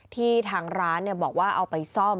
ทางร้านบอกว่าเอาไปซ่อม